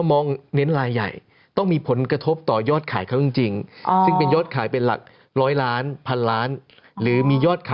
สมมุติที่มีไข่ไลเมอร์เขาก็ปล่อยเหรอคะ